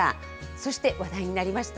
そして、話題になりました。